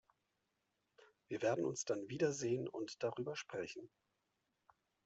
Wir werden uns dann wiedersehen und darüber sprechen.